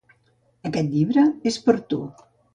Aquest llibre és per a tu.